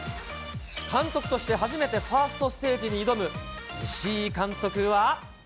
監督として初めてファーストステージに挑む石井監督は。